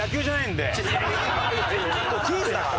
クイズだから。